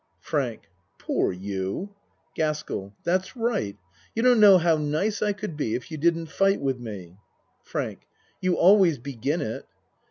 FRANK Poor you! GASKELL That's right. You don't know how nice I could be if you didn't fight with me. FRANK You always begin it.